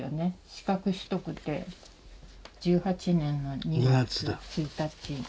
資格取得って昭和１８年の２月の１日。